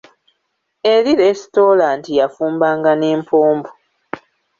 Eri lesitolanti yafumbanga n'empombo.